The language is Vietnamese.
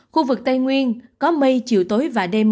khu vực tây nguyên có mây chiều tối và đêm